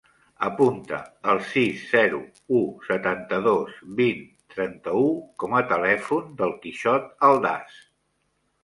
Apunta el sis, zero, u, setanta-dos, vint, trenta-u com a telèfon del Quixot Aldaz.